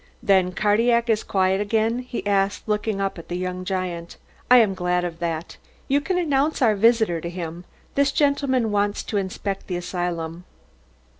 Then Cardillac is quiet again?" he asked, looking up at the young giant. "I am glad of that. You can announce our visit to him. This gentleman wants to inspect the asylum."